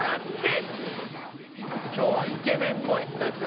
今日はイケメンボイスです。